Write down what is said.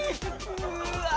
うわ！